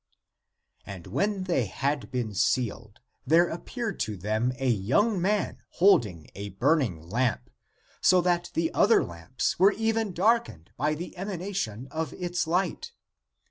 And when they had been sealed, there appeared to them a young man holding a burning lamp, so that the (other) lamps were even darkened by the emanation of its light.